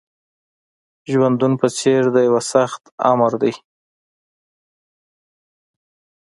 ژوندون په څېر د یوه سخت آمر دی